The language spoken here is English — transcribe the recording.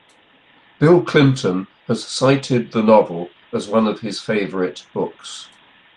Bill Clinton has cited the novel as one of his favorite books.